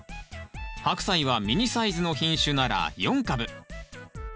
ハクサイはミニサイズの品種なら４株。